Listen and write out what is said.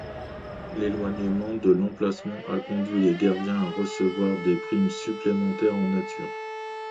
L'éloignement de l'emplacement a conduit les gardiens à recevoir des primes supplémentaires en nature.